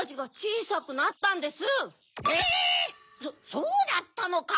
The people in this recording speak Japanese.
そうだったのか。